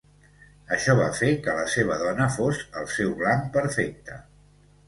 Això va fer que la seva dona fos el seu blanc perfecte.